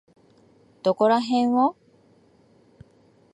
どこらへんを？